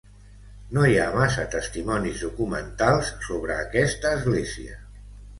No hi ha massa testimonis documentals sobre aquesta església.